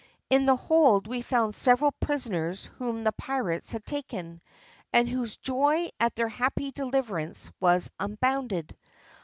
"In the hold we found several prisoners whom the pirates had taken, and whose joy at their happy deliverance was unbounded.